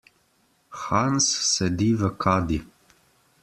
Hans sedi v kadi.